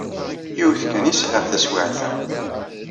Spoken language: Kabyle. Yiwet kan i sɛiɣ taswiɛt-a.